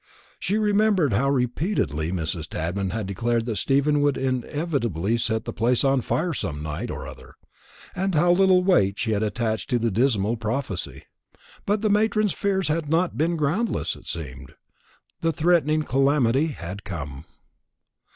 She remembered how repeatedly Mrs. Tadman had declared that Stephen would inevitably set the place on fire some night or other, and how little weight she had attached to the dismal prophecy. But the matron's fears had not been groundless, it seemed. The threatened calamity had come.